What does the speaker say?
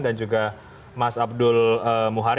dan juga mas abdul muharri